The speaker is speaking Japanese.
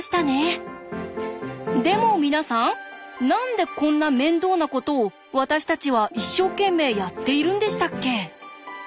でも皆さん何でこんな面倒なことを私たちは一生懸命やっているんでしたっけ？